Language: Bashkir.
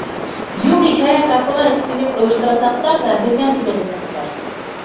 Юғиһә, кафела эскелек ойошторасаҡтар ҙа беҙҙән түләтәсәктәр!